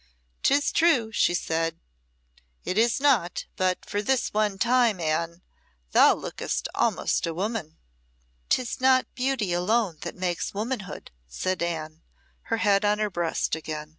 "'Tis true," she said, "it is not; but for this one time, Anne, thou lookest almost a woman." "'Tis not beauty alone that makes womanhood," said Anne, her head on her breast again.